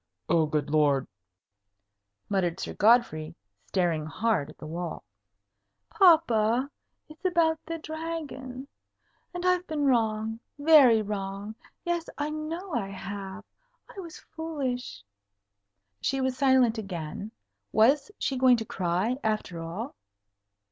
"Oh, good Lord!" muttered Sir Godfrey, staring hard at the wall. "Papa it's about the Dragon and I've been wrong. Very wrong. Yes; I know I have. I was foolish." She was silent again. Was she going to cry, after all?